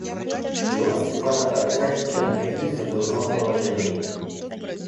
Дела Степана Аркадьича находились в дурном положении.